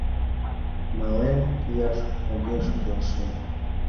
Мален кияш огеш келше